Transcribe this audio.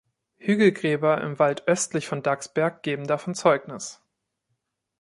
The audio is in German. Hügelgräber im Wald östlich von Daxberg geben davon Zeugnis.